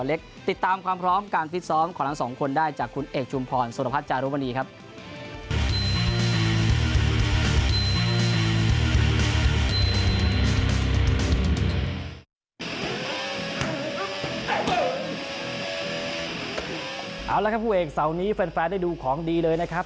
เอาละครับคู่เอกเสาร์นี้แฟนได้ดูของดีเลยนะครับ